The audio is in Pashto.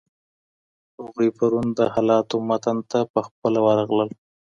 هغوی پرون د حالاتو متن ته په خپله ورغلل.